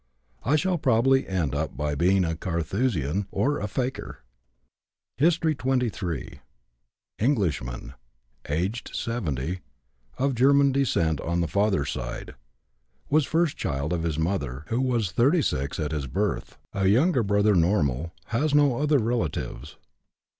I shall probably end by being a Carthusian or a fakir." HISTORY XXIII. Englishman, aged 70, of German descent on father's side. Was first child of his mother, who was 36 at his birth; a younger brother normal; has no other relatives.